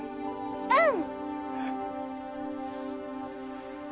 うん！